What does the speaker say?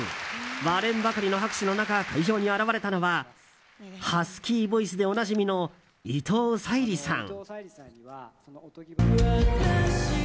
割れんばかりの拍手の中会場に現れたのはハスキーボイスでおなじみの伊藤沙莉さん。